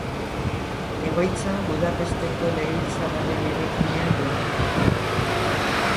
Egoitza Budapesteko Legebiltzarraren eraikinean du.